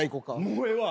もうええわ。